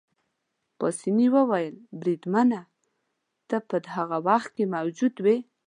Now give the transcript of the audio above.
پاسیني وویل: بریدمنه، ته په هغه وخت کې موجود وې؟